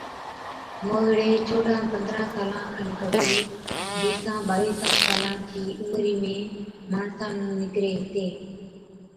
موهِيڙي چوڏهن پندرهن سالان کن ڪتِي بِيسان ٻاوِيسان سالان چِي عمري ۾ ماڻسان نُون نِڪري هِتي۔